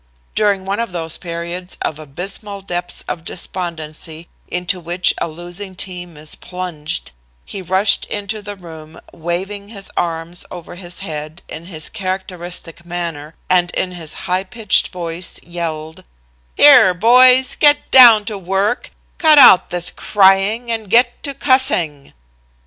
During one of those periods of abysmal depths of despondency into which a losing team is plunged, he rushed into the room, waving his arms over his head in his characteristic manner, and in his high pitched voice yelled: "'Here, boys, get down to work; cut out this crying and get to cussing.'